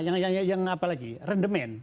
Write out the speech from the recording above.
yang kedua yang apa lagi rendemen